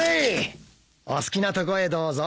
お好きなとこへどうぞ。